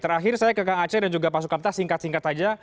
terakhir saya ke kang aceh dan juga pak sukamta singkat singkat saja